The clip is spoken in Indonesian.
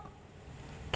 belum ada kau